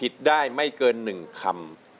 ใช้ค่ะ